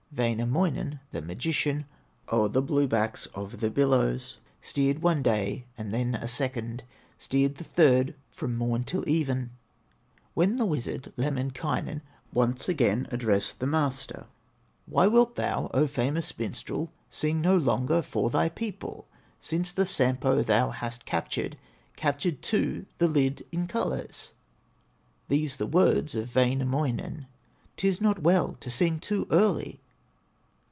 Wainamoinen, the magician, O'er the blue backs of the billows, Steered one day, and then a second, Steered the third from morn till even, When the wizard, Lemminkainen, Once again addressed the master: "Why wilt thou, O famous minstrel, Sing no longer for thy people, Since the Sampo thou hast captured, Captured too the lid in colors?" These the words of Wainamoinen: "'Tis not well to sing too early!